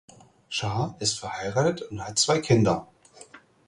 Cha ist verheiratet und hat zwei Kinder.